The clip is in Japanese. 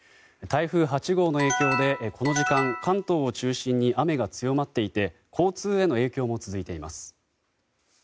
台風８号の影響でこの時間関東を中心に雨が強まっていて交通への影響も続いています。